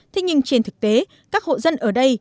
thế nhưng trên thực tế các hộ dân ở đây